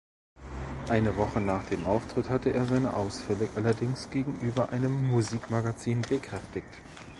Eine Woche nach dem Auftritt hatte er seine Ausfälle allerdings gegenüber einem Musikmagazin bekräftigt.